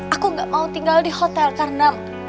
aku gak mau tinggal di hotel karena